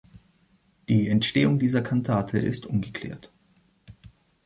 Die Entstehung dieser Kantate ist ungeklärt.